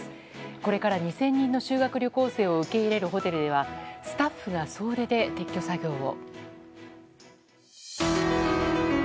これから２０００人の修学旅行生を受け入れるホテルではスタッフが総出で撤去作業を。